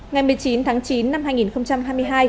ngày một mươi chín tháng chín năm hai nghìn hai mươi hai